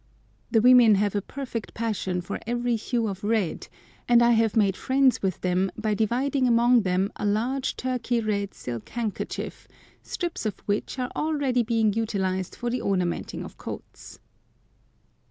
The women have a perfect passion for every hue of red, and I have made friends with them by dividing among them a large turkey red silk handkerchief, strips of which are already being utilised for the ornamenting of coats.